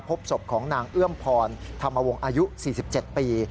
พบศพของนางเอื้อมพรธรรมวงศ์อายุ๔๗ปี